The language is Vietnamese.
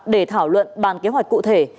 để thảo luận bàn kế hoạch cụ thể